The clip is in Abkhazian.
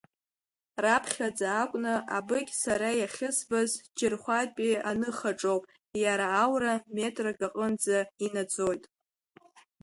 Раԥхьаӡа акәны абыкь сара иахьызбаз Џьырхәатәи аныхаҿоуп, иара аура метрак аҟынӡа инаӡоит.